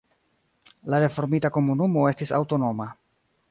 La reformita komunumo estis aŭtonoma.